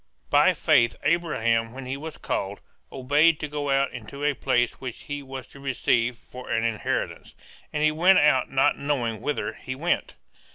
By faith Abraham when he was called, obeyed to go out into a place which he was to receive for an inheritance; and he went out not knowing whither he went.